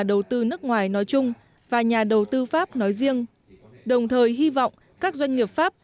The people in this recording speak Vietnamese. đầu tư nước ngoài nói chung và nhà đầu tư pháp nói riêng đồng thời hy vọng các doanh nghiệp pháp